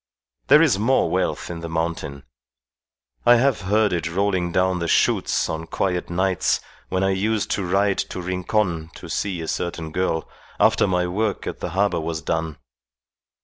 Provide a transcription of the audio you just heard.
There is more wealth in the mountain. I have heard it rolling down the shoots on quiet nights when I used to ride to Rincon to see a certain girl, after my work at the harbour was done.